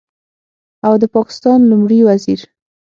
او د پاکستان لومړي وزیر